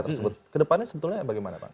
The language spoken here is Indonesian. tersebut kedepannya sebetulnya bagaimana pak